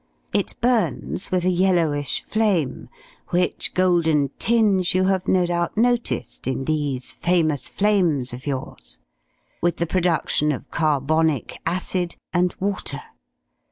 It burns with a yellowish flame which golden tinge you have no doubt noticed in these famous flames of yours with the production of carbonic acid and water.